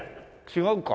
違うか。